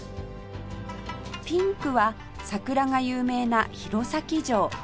ピンクは桜が有名な弘前城